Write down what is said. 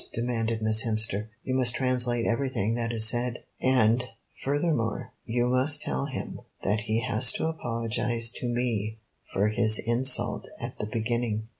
demanded Miss Hemster. "You must translate everything that is said; and, furthermore, you must tell him that he has to apologize to me for his insult at the beginning."